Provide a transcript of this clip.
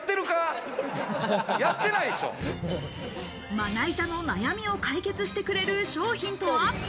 まな板の悩みを解決してくれる商品とは？